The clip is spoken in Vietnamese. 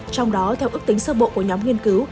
trong đó theo ước tính sơ bộ của nhóm nghiên cứu